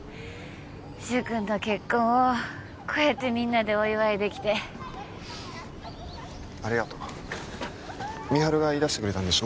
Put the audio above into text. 柊くんの結婚をこうやってみんなでお祝いできてありがとう美晴が言いだしてくれたんでしょ